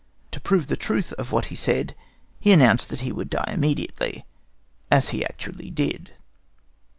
To prove the truth of what he said, he announced that he would die immediately, as he actually did.